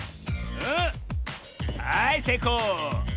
はいせいこう！